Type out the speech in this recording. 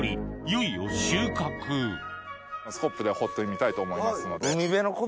いよいよ収穫スコップで掘ってみたいと思いますので。